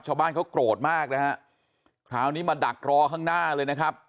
ชาวบ้านเขาโกรธมากนะฮะคราวนี้มาดักรอข้างหน้าเลยนะครับ